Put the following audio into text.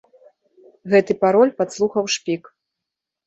Гэты пароль падслухаў шпік.